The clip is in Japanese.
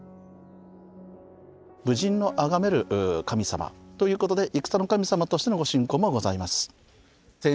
武人のあがめる神様ということで戦の神様としてのご信仰もございます。